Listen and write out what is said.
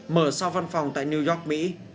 mở sau văn phòng tại new york mỹ